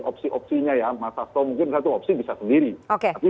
opsi opsinya ya mas hasto mungkin satu opsi bisa sendiri